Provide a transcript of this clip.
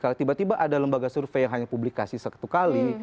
kalau tiba tiba ada lembaga survei yang hanya publikasi satu kali